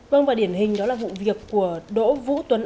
vâng và điển hình đó là vụ việc của đỗ vũ tuấn